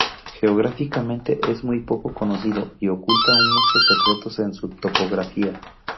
Geográficamente es muy poco conocido y oculta aún muchos secretos en su topografía.